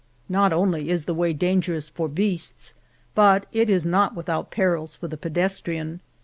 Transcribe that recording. Not only is the way dangerous for beasts, but it is not without perils for the pedestrian.